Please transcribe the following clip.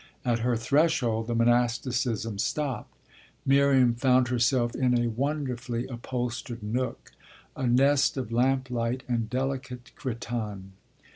At her threshold the monasticism stopped Miriam found herself in a wonderfully upholstered nook, a nest of lamplight and delicate cretonne.